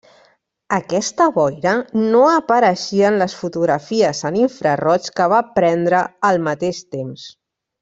Aquesta boira no apareixia en les fotografies en infraroig que va prendre al mateix temps.